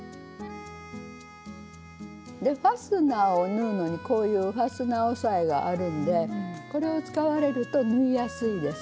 ファスナーを縫うのにこういうファスナー押さえがあるんでこれを使われると縫いやすいです。